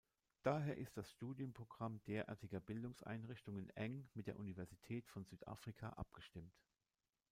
Daher ist das Studienprogramm derartiger Bildungseinrichtungen eng mit der Universität von Südafrika abgestimmt.